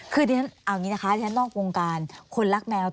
คือนี่นะคะจากนอกกวงการคนรักแมว